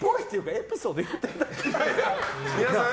エピソード言うてるだけやん。